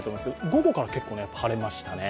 午後から結構晴れましたね。